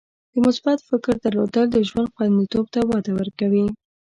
د مثبت فکر درلودل د ژوند خوندیتوب ته وده ورکوي.